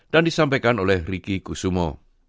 dan disampaikan oleh ricky kusumo